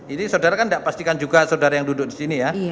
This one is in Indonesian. ini saudara kan enggak pastikan juga saudara yang duduk disini ya